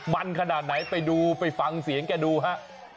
มันขนาดไหนไปดูไปฟังเสียงแกดูฮะ